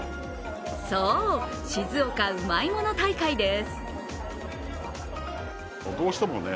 そう、静岡うまいもの大会です。